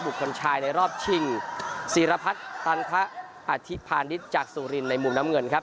คนชายในรอบชิงศิรพัฒน์ตันทะอธิพาณิชย์จากสุรินในมุมน้ำเงินครับ